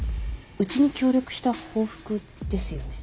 うちに協力した報復ですよね。